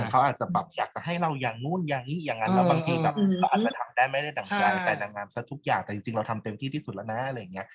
เขาอาจจะแบบอยากจะให้เราอย่างนู้นอย่างนี้อย่างนั้นแล้วบางทีแบบเขาอาจจะทำได้ไม่ได้ดั่งใจแฟนนางงามซะทุกอย่างแต่จริงเราทำเต็มที่ที่สุดแล้วนะอะไรอย่างนี้